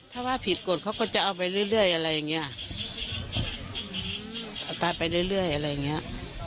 ถ้าว่าผิดกฎเขาก็จะเอาไปเรื่อยอะไรอย่างเงี้ยเอาตายไปเรื่อยอะไรอย่างเงี้ย